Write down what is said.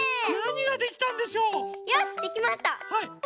はい。